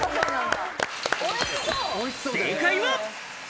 正解は。